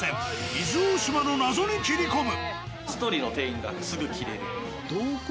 伊豆大島の謎に切り込む。